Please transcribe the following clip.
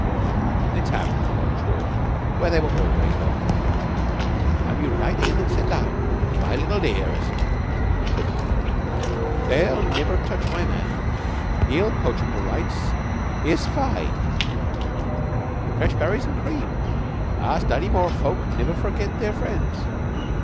They tapped at the Lodge door, where they were always welcome. "Come yeou right in an' set down, my little dearrs," said the woman. "They'll niver touch my man. He'll poach 'em to rights. Iss fai! Fresh berries an' cream. Us Dartymoor folk niver forgit their friends.